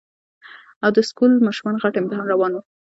او د سکول ماشومانو غټ امتحان روان وو